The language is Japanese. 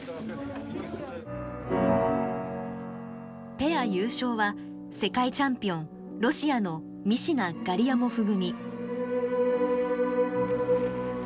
ペア優勝は世界チャンピオンロシアのミシナガリアモフ組。